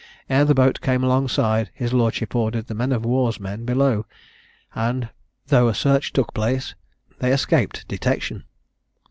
Ere the boat came alongside, his lordship ordered the men of war's men below, and, though a search took place, they escaped detection.